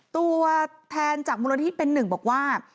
ตัวแทนจากบริษัทเป็น๑บอกว่า